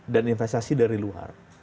dan investasi dari luar